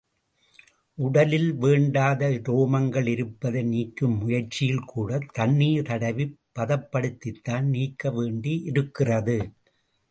உடலில் வேண்டாத உரோமங்கள் இருப்பதை நீக்கும் முயற்சியில்கூட தண்ணீர் தடவிப் பதப்படுத்தித்தான் நீக்க வேண்டியிருக்கிறது.